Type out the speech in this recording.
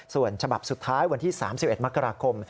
ส่วนฉบับสุดท้ายวันที่๓๑มกราคม